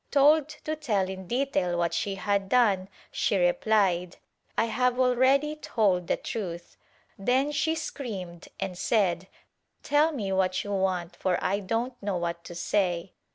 Told to tell in detail what she had done she replied "I have already told the truth." Then she screamed and said "Tell me what you want for I don't know what to say."